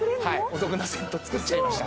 お得なセットつくっちゃいました